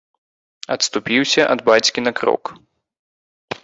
Адступіўся ад бацькі на крок.